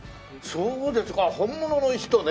そうです。